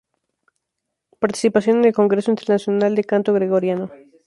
Participación en el Congreso Internacional de Canto Gregoriano.